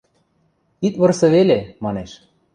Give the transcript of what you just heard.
– Ит вырсы веле, – манеш.